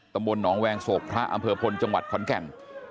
ตำบลหนองแวงโศกพระอำเภอพลจังหวัดขอนแก่น